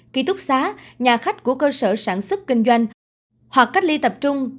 ký túc xá nhà khách của cơ sở sản xuất kinh doanh hoặc cách ly tập trung